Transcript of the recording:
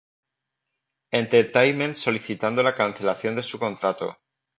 Entertainment solicitando la cancelación de su contrato.